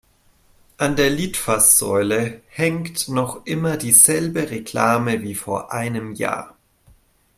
An der Litfaßsäule hängt noch immer die selbe Reklame wie vor einem Jahr.